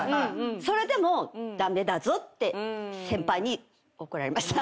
それでも駄目だぞって先輩に怒られました。